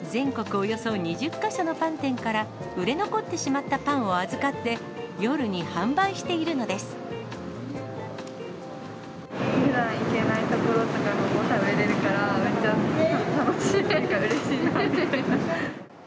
およそ２０か所のパン店から、売れ残ってしまったパンを預かっふだん行けない所のとかも食べれるから、楽しいというか、うれしいなみたいな。